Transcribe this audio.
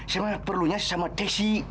saya mah perlunya sama desi